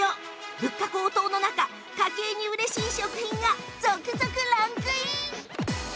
物価高騰の中家計に嬉しい食品が続々ランクイン！